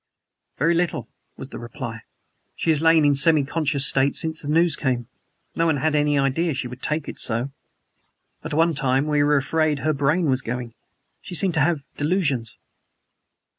"Very little," was the reply; "she has lain in a semi conscious state since the news came. No one had any idea she would take it so. At one time we were afraid her brain was going. She seemed to have delusions."